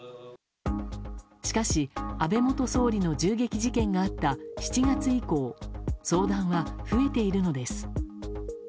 しかし安倍元総理の銃撃事件があった７月以降相談は増えているのです。